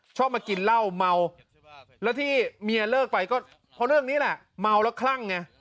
ชอบมากินเหล้าเมาแล้วที่เมียเลิกไปก็เพราะเรื่องนี้แหละเมาแล้วคลั่งไง